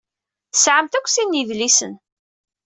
Tesɛamt akk sin n yidlisen.